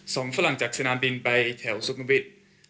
ซองฝรั่งจากสนามบินไปแถวสุนวิท